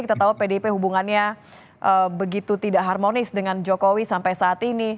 kita tahu pdip hubungannya begitu tidak harmonis dengan jokowi sampai saat ini